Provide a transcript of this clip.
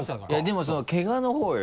でもけがのほうよ。